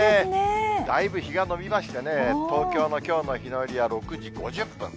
だいぶ日が延びましてね、東京のきょうの日の入りは６時５０分。